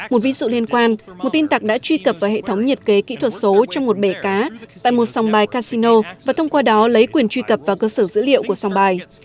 một ví dụ liên quan một tin tạc đã truy cập vào hệ thống nhiệt kế kỹ thuật số trong một bể cá tại một sòng bài casino và thông qua đó lấy quyền truy cập vào cơ sở dữ liệu của sòng bài